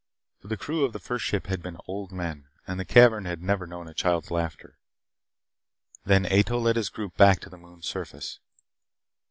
For the crew of the first ship had been old men and the cavern had never known a child's laughter. Then Ato led his group back to the moon's surface.